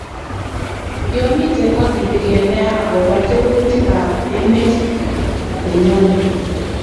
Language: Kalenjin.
Yuamitee akilikei nea akoba tebutik ab emet nenyoni